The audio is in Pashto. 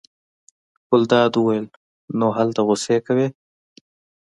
ګلداد وویل: نو هلته غوسې کوې.